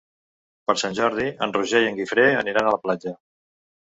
Per Sant Jordi en Roger i en Guifré aniran a la platja.